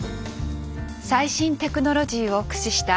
最新テクノロジーを駆使した